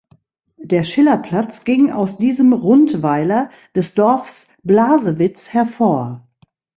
Der Schillerplatz ging aus diesem Rundweiler des Dorfs Blasewitz hervor.